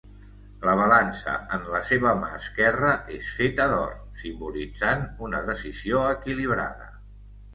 La balança en la seva mà esquerra és feta d'or, simbolitzant una decisió equilibrada.